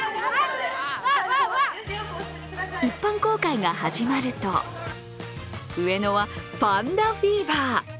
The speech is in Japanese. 一般公開が始まると、上野はパンダフィーバー。